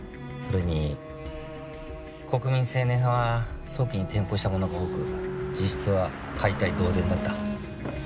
それに国民青年派は早期に転向した者が多く実質は解体同然だった。